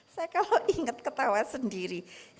saya kalau inget ketawa sendiri